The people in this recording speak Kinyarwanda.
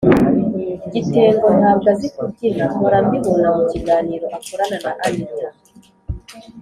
gitengo ntabwo azi kubyina mpora mbibona mukiganiro akorana na Anita